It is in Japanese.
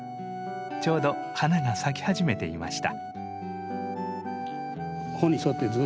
ちょうど花が咲き始めていました。